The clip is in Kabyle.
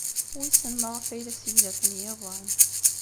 Wissen maɣef ay la sseglafen yiḍan.